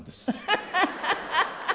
ハハハハ！